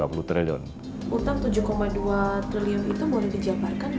utang tujuh dua triliun itu boleh dijabarkan dari mana saja